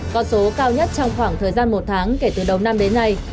con số cao nhất trong khoảng thời gian một tháng kể từ đầu năm đến nay